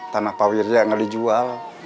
tanah pak mirya enggak dijual